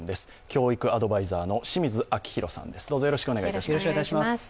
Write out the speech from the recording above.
教育アドバイザーの清水章弘さんです。